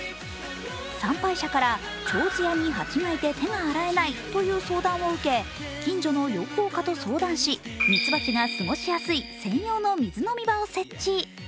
参拝者からちょうずやに蜂がいて手が洗えないという相談を受け近所の養蜂家と相談し、みつばちが過ごしやすい専用の水飲み場を設置。